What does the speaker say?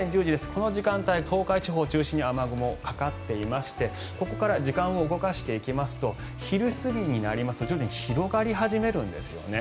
この時間帯は東海地方を中心に雨雲がかかっていましてここから時間を動かしていきますと昼過ぎになりますと徐々に広がり始めるんですよね。